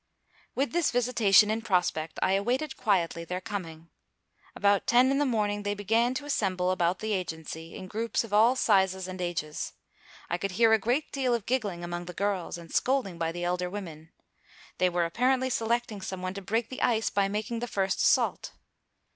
With this visitation in prospect, I awaited quietly their coming. About ten in the morning they began to assemble about the agency in groups of all sizes and ages. I could hear a great deal of giggling among the girls, and scolding by the elder women. They were apparently selecting someone to break the ice by making the first assault.